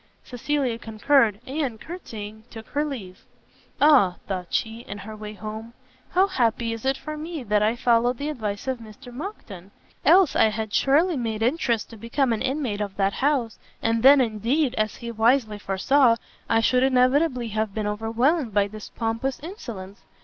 Cecilia concurred, and, courtsying, took her leave. "Ah!" thought she, in her way home, "how happy is it for me that I followed the advice of Mr Monckton! else I had surely made interest to become an inmate of that house, and then indeed, as he wisely foresaw, I should inevitably have been overwhelmed by this pompous insolence!